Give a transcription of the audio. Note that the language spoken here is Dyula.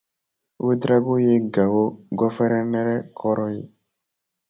Ouédraogo ye Gao gɔfɛrɛnɛrɛ kɔrɔ ye.